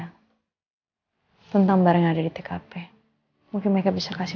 kamu kan sering buka email kamu